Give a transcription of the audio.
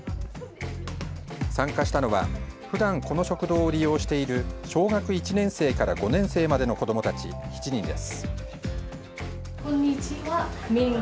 参加したのは、ふだんこの食堂を利用している小学１年生から５年生までの子どもたち７人です。